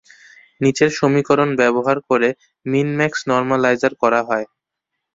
নিচের সমীকরন ব্যবহার করে মিন-ম্যাক্স নরমালাইজার করা হয়।